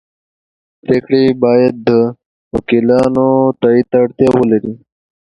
پرېکړې یې باید د دوکیانو تایید ته اړتیا ولري.